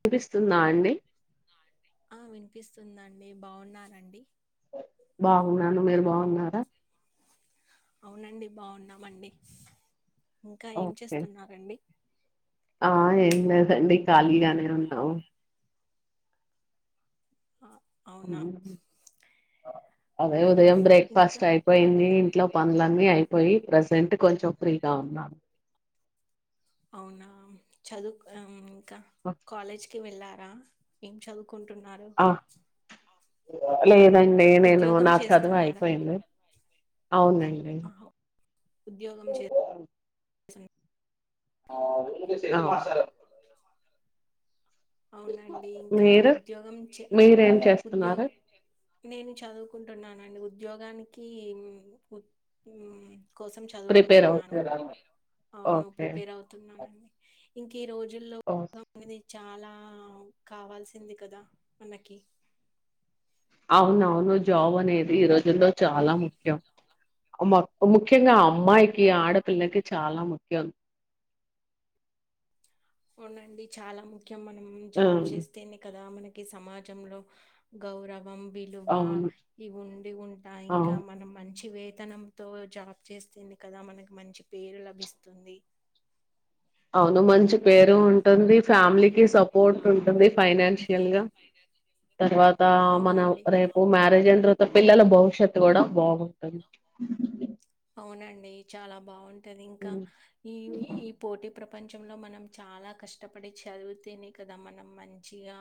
చూపిస్తుంద అండి వినిపిస్తుందండి బాగున్ననండి బాగున్నాను మీరు బాగున్నారా అవునండి బాగున్నామండి ఇంకా ఏం ఓకే చేస్తున్నారండి ఆ ఎన్న డి కళగానే ఉన్నా ఆ, అ అవునా అదే ఉమ్, ఉదయం ఇంకా బ్రేక్ఫాస్ట్ అయిపోయింది ఇంట్లో పనులన్నీ అయిపోయి పోయి ప్రజెంట్ కొంచెం ఫ్రీగా ఉన్నాను అవునా చదువు ఇంకా కాలేజ్ కి వెళ్ళారా ఏం చదువు కుంటున్నారు అలా డి నేను నా చదువు చేస్తున్నారా అయిపోయింది అవునండి ఆహా, స ఆ అవునండి ఇంకా మీరు ఉద్యోగం మీరేం ఉద్యోగం చేస్తున్నారు నేను చదువుకుంటున్నానండి ఉ ఉద్యోగానికి కోసం ప్రిపేర్ చదువుకుంటున్నాను అవుతున్నారు అవును ఓకే ప్రిపేర్ అవుతున్నానండి ఇంక ఈ రోజుల్లో ఓకే అనేది చాలా ఆ కావాల్సింది కదా మనకి అవునవును జాబ్ అనేది ఈరోజు లో చాలా ముఖ్యం ముఖ్యంగా అమ్మాయికి ఆడపిల్లకి చాలా ముఖ్యం అవునండి చాలా ము ముఖ్యము మనం ఆ జాబ్ చేస్తేనే కదా మనకి ఈ సమాజంలో గౌరవం విలువ అవును ఇవి ఉండి ఉంటాయి ఇంకా అవును మనం మంచి మంచి వేతనంతో జాబ్ చేస్తుంది కదా మనకి మంచి పేరు లభిస్తుంది అవును మంచి పేరు ఉంటుంది ఫ్యామిలీకి స సపోర్ట్ ఉంటుంది ఫైనాన్షియల్ గా తర్వాత మనం అవునండి రేపు మ్యారేజ్ అయిన తర్వాత పిల్లల భవిష్యత్తు కూడా బాగుంటది ఈ చాలా బాగుంది ఉంటది ఇంకా ఇవి ఈ పోటీ ప్ర ప్రపంచంలో మనం చాలా కష్టపడి చదివితేనే కదా మనం మంచిగా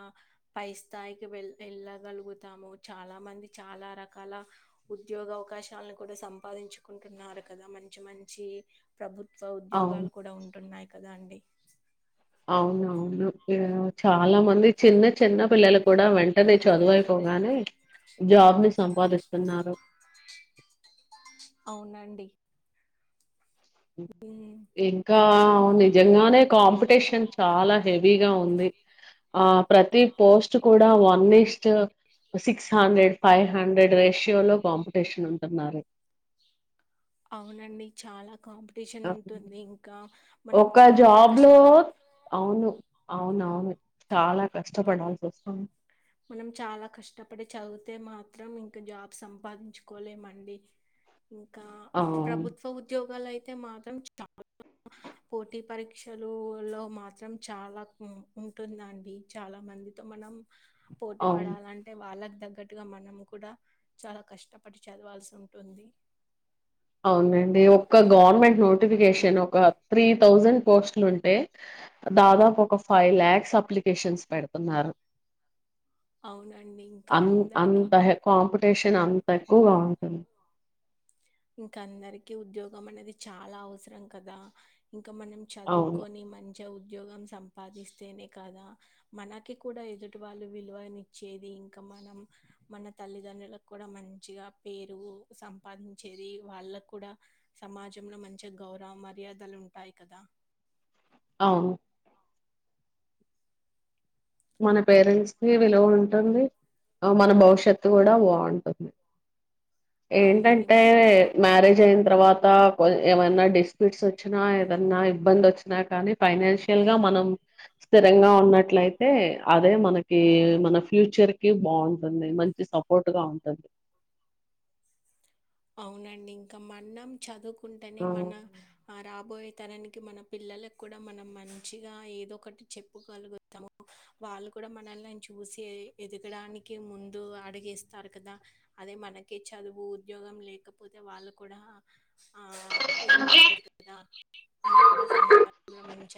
పై స్థాయికి వెళ్ వెళ్ళగలుగుతాము చాలా మంది చాలా రకాల ఉద్యోగ అవకాశాలను కూడా సంపాదించుకుంటున్నారు కదా మంచి మంచి ప్రభుత్ త్వ అవును ఉద్యోగాలు కూడా ఉంటున్నాయి కదాండి అవునవును చాలా మంది చిన్న చిన్న పిల్లలు కూడా వెంటనే చదువుయిపోగానే జాబ్ ని సంపాదిస్తున్నారు అవునండి ఉమ్ ఇంకా మంచిగా నిజంగానే కాంపిటీషన్ చాలా హెవీగా ఉంది ఆ ప్రతి పోస్ట్ కూడా వన్స్ట్ six hundred five hundred ratio లో కాంపిటీషన్ ఉంటున్నారు అవునండి చాలా కాంపిటీషన్ ఉంటుంది ఇంకా మనం ఒక చాలా జాబ్ లో కష్టం అవును అవునవును చాలా కష్టపడాల్సి వస్తాంది మనం చాలా కష్టపడి చదివితే మాత్రం ఇంకా జాబ్ సంపాదించుకోలేమండి ఇంకా ఆ ప్రభుత్వ ఉద్యోగాలు అయి అయితే మాత్రం చాలా పోటీ పరీక్షలు లో మాత్రం చాలా ఉంటుందండి చాలా మందితో మనం పోటీ అవును పడాలంటే వాళ్ళకి తగ్గట్టుగా మనం కూడా చాలా కష్టపడి చదవాల్సి ఉంటుంది అవునండి ఒక్క గవర్నమెంట్ నోట్ టిఫికేషన్ ఒక త్రీ థౌజండ్ పోస్ట్లు ఉంటే దాదాపు ఒక ఫైవ్ ల్యాక్స్ అప్లికేషన్స్ పెడుతున్నారు అవునండి ఇంక ఆన్ అందరికీ అంత కాంపిటీషన్ అంత ఎక్కువగా ఉంటుంది ఇంకా అందరికిీ ఉద్యోగం అనేది చాలా అవసరం కదా ఇంకా మనం అవును చదువుకొని మం ఉద్యోగం సంపాదిస్తేనే కదా మనకి కూడా ఎదుటి వాళ్ళు విలువనిచ్చేది ఇంకా మనం మన తల్లిదండ్రులకు కూడా మంచిగా పేరు సంపాది చేరి వాళ్ళకు కూడా సమాజంలో మంచి గౌరవ మర్యాదలు ఉంటాయి కదా అవును మన పేరెంట్స్ నీ విలువ ఉంటుంది మన భవిష్యత్తు కూడా బాగుంటుంది అవునండి ఏంటంటే మనం మ్యారేజ్ అయినా తర్వాత కొ ఏమన్నా డిస్ప్యూట్స్ వచ్చినా ఏదన్నా ఇబ్బంది వచ్చినా కానీ ఫైనాన్షియల్ గా మనం స్థిరంగా ఉన్నట్లయితే అంటే అదే మనకి మన ఫ్యూచర్ కి బావుంటుంది మంచి సపోర్ట్గా ఉంటుంది అవునండి ఇంకా మన్నం చదువు కుంటేనే ఆ, మన ఆ రాబోయే తరానికి మన పిల్లలకి కూడా మనం మంచిగా ఏదో ఒకటి చెప్పుగలుగుతాము వాళ్ళు కూడా మనల్నిని చూసి ఎదగడానికి ముందు అడిగేస్తారు కదా అదే మనకి చదువు ఉద్యోగం లేకపోతే వాళ్ళు కూడా ఆ ఏమి ఉండదు కదా మనకు కూడా సమాజంలో మంచ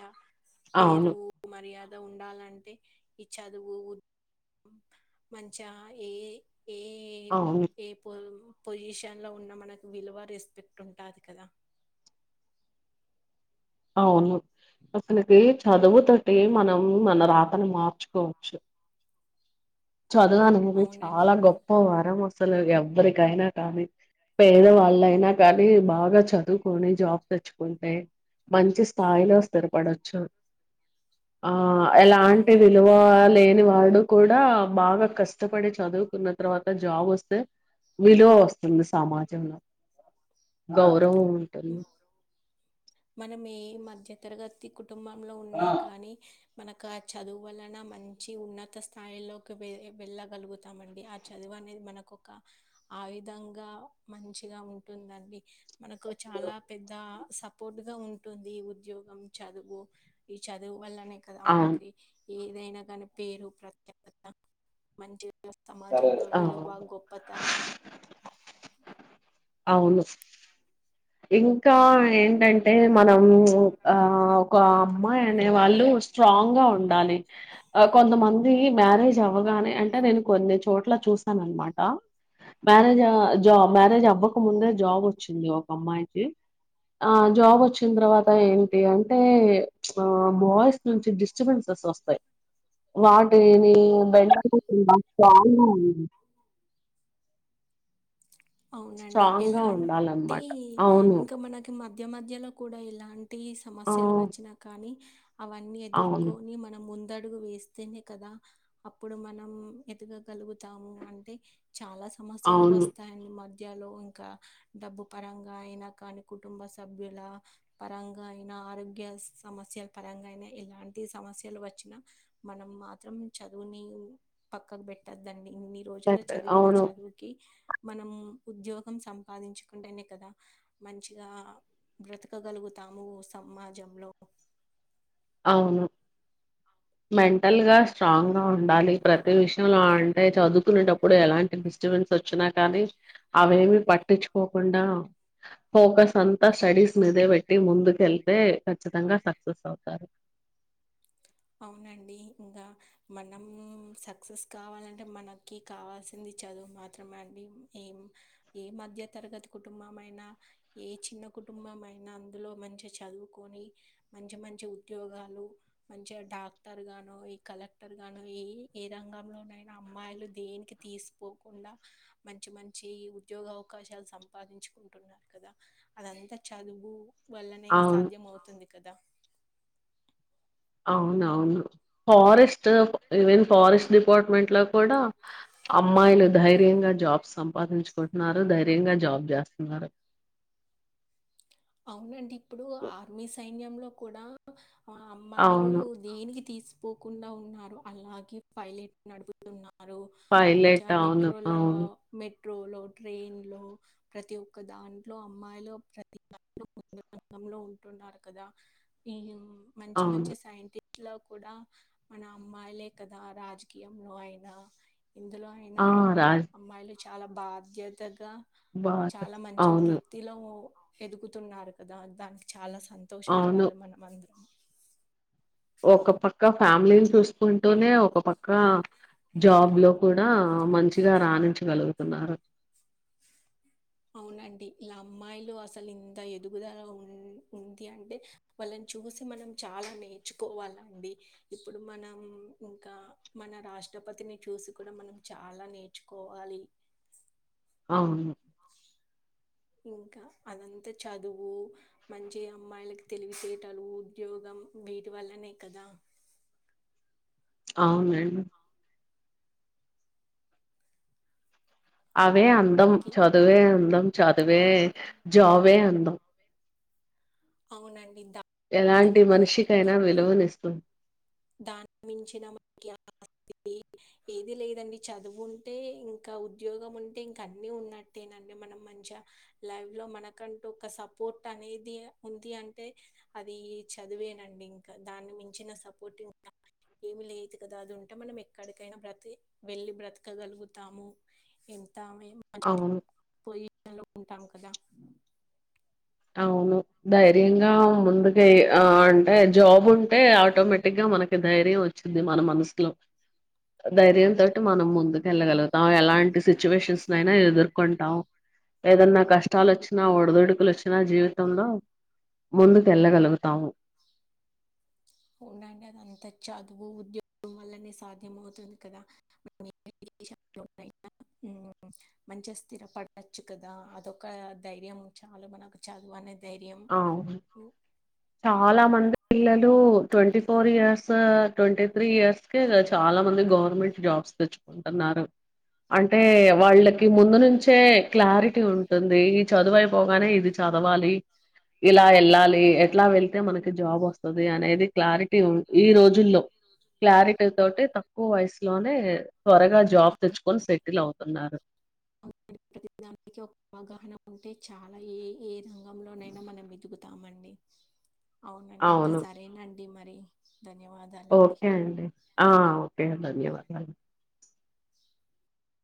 అవును పేరు మర్యాద ఉండాలంటే ఈ చదువు ఉ మంచిగా ఏ ఏ అవును ఏపోల్ పొజిషన్ లో ఉన్న మనకు విలువ రెస్పెక్ట్ ఉంటాది కదా అవును అసలికి చదువు తోటే మనం మన రాతను మార్చుకోవచ్చు చదవనేది అవునండి చాలా గొప్ప వరం వ అసలు ఎవ్వరికైనా గానీ పేదవాళ్ళైనా గానీ బాగా చదువుకొని జాబ్ తెచ్చుకుంటే మంచి స్థాయిలో స్థిరపడచ్చు ఆ ఎలాంటి విలువ అవునండి లేని వాడు కూడా బాగా కష్టపడి చదువుకున్న తర్వాత జాబ్ వస్తే విలువ వస్తుంది సమాజంలో గౌరవ మనం ఇ మధ్య తరగతి కు కుటుంబంలో ఉన్నా కానీ మనకు ఆ చదువు వలన మంచి ఉన్నత స్థాయిలోకి వె వెళ్లగలుగుతామండి ఆ చదువు అనేది మనకు ఒక ఆయుధంగా. మంచిగా ఉంటుందండి మనకు చాలా పెద్ద సపోర్ట్ గా ఉంటుంది ఉద్యోగం చదువు ఈ చదువు వల్లనే కదా అవును మనకి ఏదైనా కానీ పేరు ప్రత్యేకత మంచి సమాజంలో ఆ విలువ గొప్పతనం అవును ఇంకా ఏంటంటే మనం ఆ ఒక అమ్మాయి అనే వాళ్ళు స్ట్రాంగ్ గా ఉండాలి కొంతమంది మ్యారేజ్ అవ్వగానే అంటే నేను కొన్ని చోట్ల చూసాను అన్నమాట మ్యారేజ్ జా మ్యారేజ్ అవ్వకముందే జాబ్ వచ్చింది అమ్మాయికి ఆ జాబ్ వచ్చిన తర్వాత ఏంటి అంటే ఆ బాయ్స్ నుంచి డిస్టర్బెన్సెస్ వస్తాయి వాటిని బెండ్ అవ్వకుండా స్ట్రాంగ్ గా ఉండాలి అవునండి స్ట్రాంగ్ గా ఎలాంటే ఉండాలన్నమాట అవును ఇంకా మనకి మ మధ్య మధ్యలో కూడా ఇలాం టి ఆ సమస్యలు వచ్చినా కానీ అవన్నీ అవును ఎదుర్కొని మనం ము దు అడుగు వేస్తేనే కదా అప్పుడు మనం ఎదుగగలుగుతాము అంటే చాలా సమస్యలు అవును వస్తాయండి మ జలో ఇంకా డబ్బు పరంగా అయినా కానీ కుటుంబ సభ్యుల పరంగా అయినా ఆరోగ్య సమస్యల పరంగా అయినా ఇలాంటి సమస్యలు వచ్చినా మనం మాత్రం చదువుని పక్కకు పెట్టద్దాన్ని ఇన్ని రోజుల్లో కరెక్ట్. చదివిన అవును చదువుకి మనం ఉద్యోగ సంపాదించుకుంటేనే కదా మంచిగా బ్రతకగలుగుతాము సమాజంలో అవును మెంటల్ గా స్ట్రాంగ్గా ఉండాలి ప్రతి విషయంలో అంటే చదువుకునేటప్పుడు ఎలాంటి డిస్టబెన్స్ వచ్చినా కానీ అవేమి పట్టించుకోకుండా ఫోకస్ అంతా స్టడీస్ మీదే పెట్టి ముందుకెళ్తే ఖచ్చితంగా సక్సెస్ అవుతారు అవునండి ఇంకా మనం సక్సెస్ కావాలంటే మనకి కావాల్సింది చదువు మాత్రమే అండి ఏం ఏ మధ్య తరగతి కుటుంబం అయినా ఏ చిన్న కుటుంబం అయినా అందులో మంచిగా చదువుకొని మంచి మంచి ఉద్యోగాలు మంచిగా డాక్టర్ గానో ఈ కలెక్టర్ గానో ఏ ఏ రంగంలో ఉనైనా అమ్మాయిలు దేనికి తీసిపోకుండా మంచి మంచి ఉద్యోగ అవకాశాలు సంపాదించుకుంటున్నారు కదా అదంతా చదువు వల్లనే అవును. సాధ్యం అవుతుంది కదా అవునవును ఫారెస్ట్ ఈవెన్ ఫారెస్ట్ డిపార్ట్మెంట్ లో కూడా అమ్మాయిలు ధైర్యంగా జాబ్ సంపాదించుకుంటున్నారు ధైర్యంగా జాబ్ చేస్తున్నారు అవునండి. ఇప్పుడు ఆర్మీ సైన్యంలో కూడా అమ్మాయిలు అవును. దేనికి తీసు పోకుండా ఉన్నారు అలాగే పైలెట్ నడుపుతు న్నారు మంచి పైలట్ అవును. మెట్రోల అవును. మె రో లో ట్రైన్ లో ప్రతి ఒక్క దాంట్లో అమ్మాయిలు ప్ర [unintelligible] రంగంలో ఉంటున్నారు కదా ఈ మంచి అవును. మంచి సైంటిస్ ఇట్ లో కూడా మన అమ్మాయిలే కదా రాజకీయంలో అయినా ఇందులో అయినా ఆ! రాజ్ అమ్మాయిలు చాలా బాధ్యత గా బాత్ చాలా మంచి అవును. వృత్తిలో ఎదుగుతున్నారు కదా దానికి చాలా అవును. సంతోషపడాలి మనమ అందరం ఒక పక్క ఫ్యామిలీని చూసుకుంటూనే ఒక పక్క జాబ్ లో కూడా మంచిగా రాణించగలుగుతున్నారు అవునండి ఇలా అమ్మాయిలు అసలు ఇంత ఎదుగుదల ఉ ఉంది అంటే వాళ్ళని చూసి మనం చాలా నేర్చుకోవాలండి ఇప్పుడు మనం ఇంకా మన రాష్ట్రపతిని చూసి కూడా మనం చాలా నేర్చుకోవాలి అవును ఇంకా అదంతా చదువు మంచి అమ్మాయిలకి తెలివితేటలు ఉద్యోగం వీటి వల్లనే కదా అవునండి అవే అందం ఇంకే చదువే అందం చదువే జాబే అందం అవునండి దా ఎలాంటి మనిషికైనా విలువనిస్తుంది దానికి మించిన మనకి ఏది లేదండి చదువు ఉంటే ఇంకా ఉద్యోగం ఉంటే ఇంకా అన్ని ఉన్నట్టేనండి మనం మంచిగా లైఫ్ లో మనకంటూ ఒక సపోర్ట్ అనేది ఉంది అంటే అది చదివేనండి ఇంకా దాన్ని మించిన సపోర్ట్ ఇంకా ఏమి లేదు కదా అది ఉంటే మనం ఎక్కడికైనా బ్రతి వెళ్ళి బ్రతకగలుగుతాము ఎంతామే అవును అలో ఉంటామ్ క అవును ధైర్యంగా ముందుకు అంటే జాబ్ ఉంటే ఆటోమేటిక్గా మనకి ధైర్యం వచ్చింది మన మనసులో ధైర్యం తోటి మనం ముందుకు వెళ్ళగలుగుతాం ఎలాంటి సిచ్యువేషన్స్ అయినా ఎదుర్కొంటాం ఏదన్నా కష్టాలు వచ్చినా ఒడదుొడుకులు వచ్చినా క్షణ జీవితంలో ముందుకు వెళ్ళగలుగుతాము ఉవునండి అద అంత చదువు ఉద్యోగం వల్లనే సాధ్యం అవుతుంది కదా మన మంచిగా స్థిరపడచ్చు కదా అదొక ధైర్యం చాలు మనకు చదువు అనేది అ చాలా మంది పిల్లలు వాు twenty four years twenty three years క చాలా మంది గవర్నమెంట్ జాబ్స్ తెచ్చుకుంటున్నారు అంటే వాళ్ళకి ముందు నుంచే క్లారిటీ ఉంటుంది ఈ చదువైపోగానే ఇది చదవాలి ఇలా వెళ్ళాలి ఎట్లా వెళ్తే మనకి జాబ్ వస్తుంది అనేది క్లారిటీ ఈ రోజుల్లో క్లారిటీ తోటి తక్కువ వయసు లో వ త్వరగా జాబ్ తెచ్చుకొని స వలు అవుతున్నారు ప్రతిదానికి ఒక అవగాహన ఉంటే చాలా ఏ ఏ రంగంలోనైనా మనం వెతుకుతామండి అవునండి ఇంకా అవును సరేనండి ది మారీ ఓకే అండి ఆ ఓకే ధన్యవాదాలు